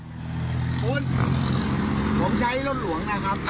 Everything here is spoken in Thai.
คุณผมใช้รถหลวงนะครับ